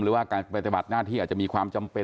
หรือว่าการปฏิบัติหน้าที่อาจจะมีความจำเป็น